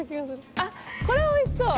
あっこれはおいしそう。